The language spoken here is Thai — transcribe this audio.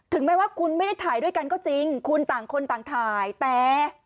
แม้ว่าคุณไม่ได้ถ่ายด้วยกันก็จริงคุณต่างคนต่างถ่ายแต่